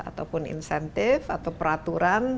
ataupun insentif atau peraturan